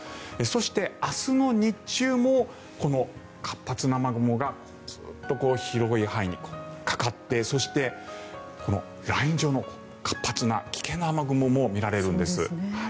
そして明日の日中もこの活発な雨雲がずっと広い範囲にかかってそして、ライン状の活発な危険な雨雲もみられるんです。